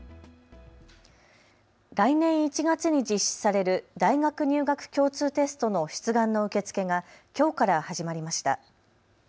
来年１月に実施される大学入学共通テストの出願の受け付けがきょうから始まりました。